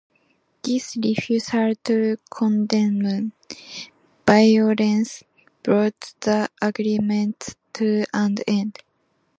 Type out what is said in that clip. This refusal to condemn violence brought the agreements to an end.